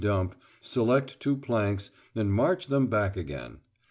dump, select two planks, and march them back again.